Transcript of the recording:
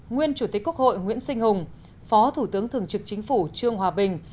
nguyên chủ tịch quốc hội nguyễn sinh hùng phó thủ tướng thường trực chính phủ trương hòa bình